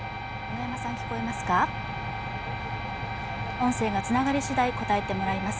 音声がつながりしだい答えてもらいます。